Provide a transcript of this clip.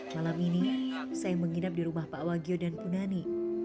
malam ini saya menginap di rumah pak wagyo dan punani